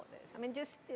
untuk mendukung ini